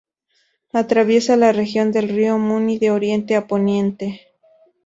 Atraviesa la región de Río Muni de oriente a poniente.